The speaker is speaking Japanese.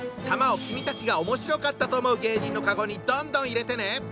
玉を君たちがおもしろかったと思う芸人のカゴにどんどん入れてね。